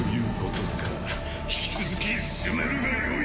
引き続き進めるがよい！